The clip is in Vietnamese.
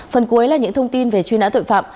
phần cuối là những thông tin về chuyên án tội phạm